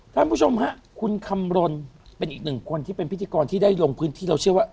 ท่านผู้ชมฮะคุณคำรณเป็นอีกหนึ่งคนที่เป็นพิธีกรที่ได้ลงพื้นที่เราเชื่อว่า